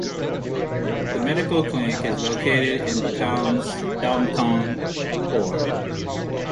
The medical clinic is located in the town's downtown core.